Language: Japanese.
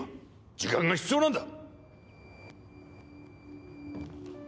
時間が必要なんだ！